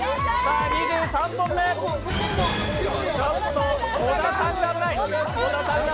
２３本目、ちょっと小田さんが危ない！